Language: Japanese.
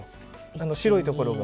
あの白いところが。